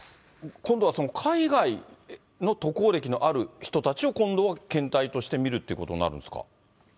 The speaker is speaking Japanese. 今度は海外の渡航歴のある人たちを今後、検体としてみるということになるんですか？